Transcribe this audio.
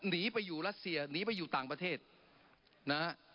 หนีไปอยู่รัสเซียหนีไปอยู่ต่างประเทศนะฮะ